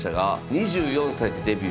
２４歳でデビュー